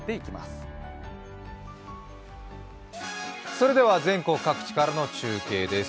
それでは全国各地からの中継です。